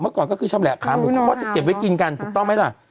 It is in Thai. ก่อนก็คือชำแหละขาหมูเขาก็จะเก็บไว้กินกันถูกต้องไหมล่ะ